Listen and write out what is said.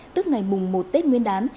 tức ngày mùng một tết nguyên đán